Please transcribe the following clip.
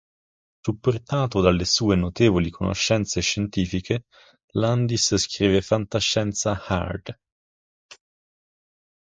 Supportato dalle sue notevoli conoscenze scientifiche, Landis scrive fantascienza hard.